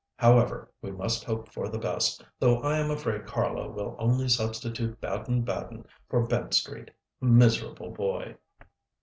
However, we must hope for the best, though I am afraid Carlo will only substitute Baden Baden for Bent Street. Miserable boy!"